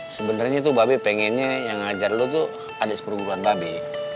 sebenernya tuh mba be pengennya yang ngajar lo tuh ada seperguruan mba be